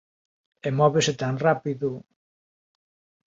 e móvese tan rápido...